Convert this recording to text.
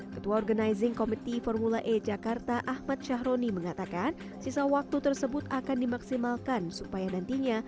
ketua organizing committee formula e jakarta ahmad syahroni mengatakan sisa waktu tersebut akan dimaksimalkan supaya nantinya